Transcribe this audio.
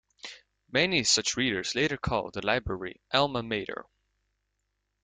Many such readers later call the library Alma Mater.